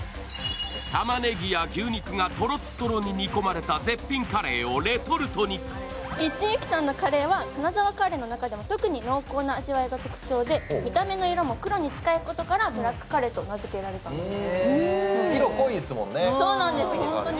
たまねぎや牛肉がとろっとろに煮込まれた絶品カレーをキッチンユキさんのカレーは金沢カレーの中でも特に濃厚で見た目の色も黒に近いことからブラックカレーと名づけられたんです。